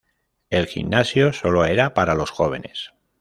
El gimnasio sólo era para los hombres jóvenes.